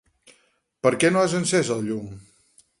Per què no has encès el llum?